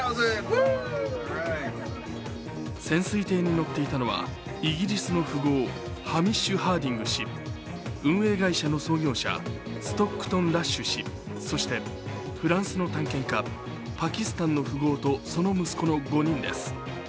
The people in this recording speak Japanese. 潜水艇に乗っていたのはイギリスの富豪、ハミッシュ・ハーディング氏運営会社の創業者、ストックトン・ラッシュ氏、そしてフランスの探検家、パキスタンの富豪とその息子の５人です。